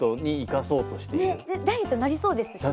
ダイエットになりそうですしね。